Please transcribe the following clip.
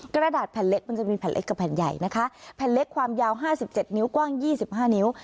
กระดาษแผ่นเล็กมันจะมีแผ่นเล็กกับแผ่นใหญ่นะคะแผ่นเล็กความยาวห้าสิบเจ็ดนิ้วกว้างยี่สิบห้านิ้ว